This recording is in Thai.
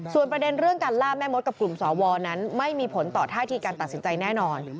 ส่วนประเด็นเรื่องการล่าแม่มดกับกลุ่มสวนั้นไม่มีผลต่อท่าทีการตัดสินใจแน่นอน